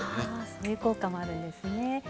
そういう効果もあるんですね。